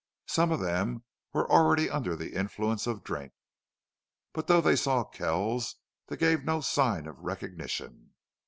Some of them were already under the influence of drink, but, though they saw Kells, they gave no sign of recognition.